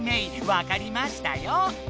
わかりましたよ！